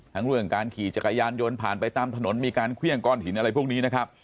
เรื่องการขี่จักรยานยนต์ผ่านไปตามถนนมีการเครื่องก้อนหินอะไรพวกนี้นะครับ